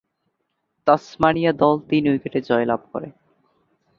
Tasmania দল তিন উইকেটে জয়লাভ করে।